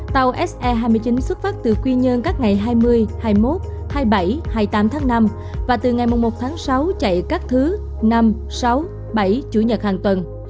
tàu se hai mươi chín xuất phát từ quy nhơn các ngày hai mươi hai mươi một hai mươi bảy hai mươi tám tháng năm và từ ngày một tháng sáu chạy các thứ năm sáu bảy chủ nhật hàng tuần